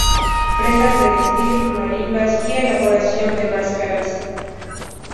Prendas de vestir, marimbas, y elaboración de máscaras.